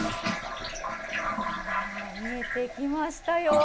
さあ、見えてきましたよ。